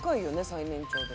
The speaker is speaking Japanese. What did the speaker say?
最年長でも」